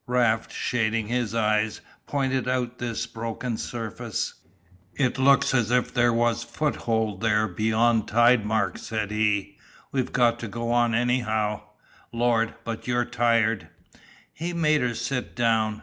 Raft shading his eyes, pointed out this broken surface. "It looks as if there was foothold there beyond tide mark," said he, "we've got to go on anyhow Lord, but you're tired!" He made her sit down.